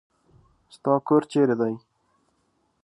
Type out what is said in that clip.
ستا کور چېري دی ؟